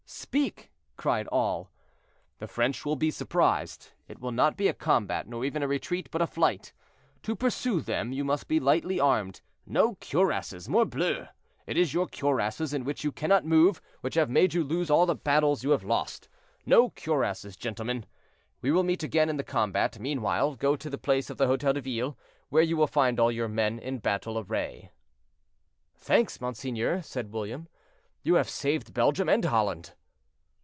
"Speak!" cried all. "The French will be surprised; it will not be a combat, nor even a retreat, but a flight. To pursue them you must be lightly armed. No cuirasses, morbleu! It is your cuirasses, in which you cannot move, which have made you lose all the battles you have lost. No cuirasses, gentlemen. We will meet again in the combat. Meanwhile, go to the place of the Hotel de Ville, where you will find all your men in battle array." "Thanks, monseigneur," said William; "you have saved Belgium and Holland."